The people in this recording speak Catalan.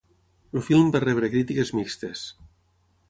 El film va rebre crítiques mixtes.